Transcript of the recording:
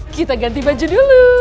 kita ganti baju dulu